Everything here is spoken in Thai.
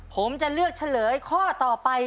ผมจะเลือกเฉลยข้อต่อไป